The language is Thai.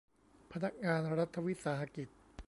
พนักงานรัฐวิสาหกิจ